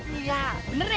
iya bener ya